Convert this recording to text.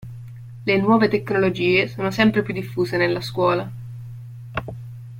Le nuove tecnologie sono sempre più diffuse nella scuola.